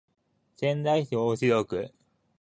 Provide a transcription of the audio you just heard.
仙台市太白区